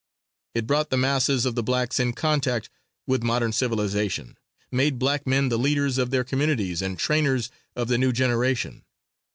It brought the masses of the blacks in contact with modern civilization, made black men the leaders of their communities and trainers of the new generation.